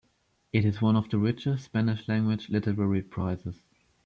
It is one of the richest Spanish-language literary prizes.